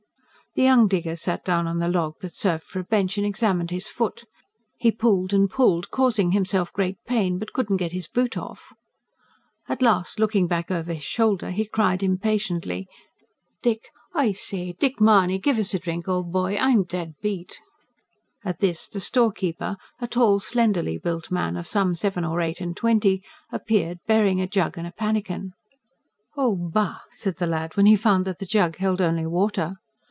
The young digger sat down on the log that served for a bench, and examined his foot. He pulled and pulled, causing himself great pain, but could not get his boot off. At last, looking back over his shoulder he cried impatiently: "Dick!... I say, Dick Mahony! Give us a drink, old boy! ... I'm dead beat." At this the storekeeper a tall, slenderly built man of some seven or eight and twenty appeared, bearing a jug and a pannikin. "Oh, bah!" said the lad, when he found that the jug held only water.